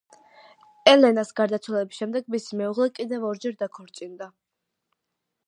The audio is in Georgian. ელენას გარდაცვალების შემდეგ მისი მეუღლე კიდევ ორჯერ დაქორწინდა.